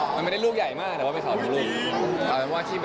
มันไม่ได้ลูกใหญ่มากแต่ว่าเป็นข่าวทุกลูก